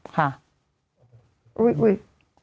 ค่ะอุ้ยอุ้ย